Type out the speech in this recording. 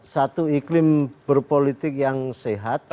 satu iklim berpolitik yang sehat